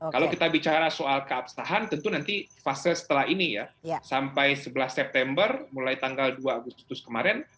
kalau kita bicara soal keabsahan tentu nanti fase setelah ini ya sampai sebelas september mulai tanggal dua agustus kemarin